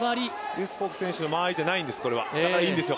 ユスポフ選手の間合いじゃないんです、これは、だからいいんです。